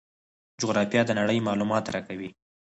جغرافیه د نړۍ معلومات راکوي.